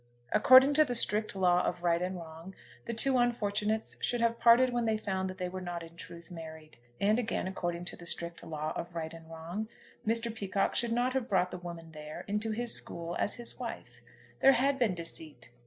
According to the strict law of right and wrong the two unfortunates should have parted when they found that they were not in truth married. And, again, according to the strict law of right and wrong, Mr. Peacocke should not have brought the woman there, into his school, as his wife. There had been deceit.